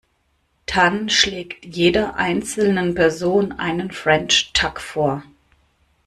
Tan schlägt jeder einzelnen Person einen French Tuck vor.